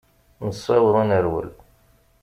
Nessaweḍ ad nerwel.